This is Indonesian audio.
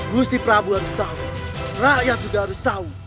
gusti prabowo harus tahu rakyat juga harus tahu